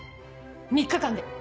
３日間で！